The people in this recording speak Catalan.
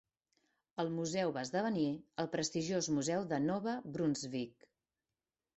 El museu va esdevenir el prestigiós Museu de Nova Brunsvic.